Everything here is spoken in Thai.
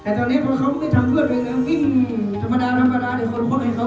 แต่ตอนนี้เขาไม่ได้ทำเพื่อตัวเองนะวิ่งธรรมดาคนควบคุกให้เขา๘๐๐บาทก็ร้านนะ